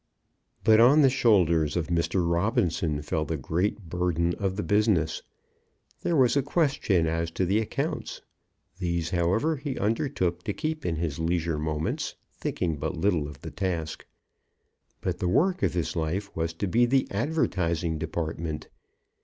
But on the shoulders of Mr. Robinson fell the great burden of the business. There was a question as to the accounts; these, however, he undertook to keep in his leisure moments, thinking but little of the task. But the work of his life was to be the advertising department.